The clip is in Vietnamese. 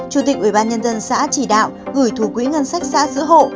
chủ tịch ủy ban nhân dân xã chỉ đạo gửi thủ quỹ ngân sách xã giữ hộ